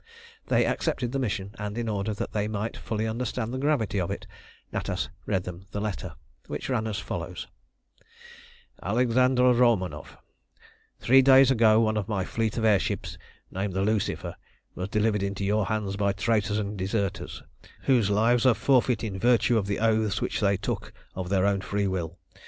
They accepted the mission; and in order that they might fully understand the gravity of it, Natas read them the letter, which ran as follows: ALEXANDER ROMANOFF, Three days ago one of my fleet of air ships, named the Lucifer, was delivered into your hands by traitors and deserters, whose lives are forfeit in virtue of the oaths which they took of their own free will.